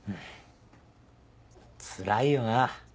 つらいよな。